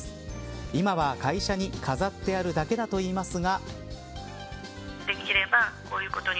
今は会社に飾ってあるだけだといいますが。